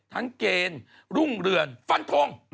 เกณฑ์รุ่งเรือนฟันทง